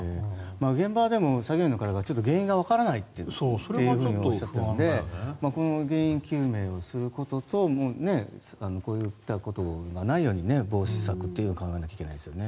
現場は、作業員の方はちょっと原因がわからないとおっしゃっているので原因究明をすることとこういったことがないように防止策を考えなきゃいけないですよね。